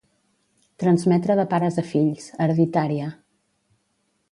Transmetre de pares a fills, hereditària.